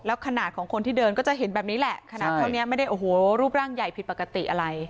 ขนาดของคนที่เดินก็จะเห็นแบบนี้แหละขนาดเท่านี้ไม่ได้โอ้โหรูปร่างใหญ่ผิดปกติอะไร